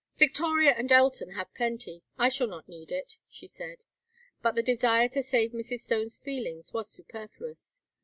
"Victoria and Elton have plenty, I shall not need it," she said. But the desire to save Mrs. Stone's feelings was superfluous.